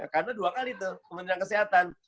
karena dua kali tuh kementerian kesehatan